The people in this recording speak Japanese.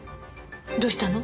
どうしたの？